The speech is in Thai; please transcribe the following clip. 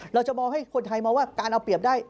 เราจะมองให้คนไทยมองว่าการเอาเปรียบได้